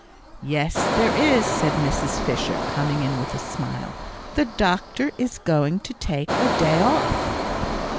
"Yes, there is," said Mrs. Fisher, coming in with a smile, "the doctor is going to take a day off."